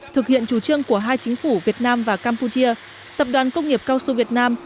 thực hiện chủ trương của hai chính phủ việt nam và campuchia tập đoàn công nghiệp cao su việt nam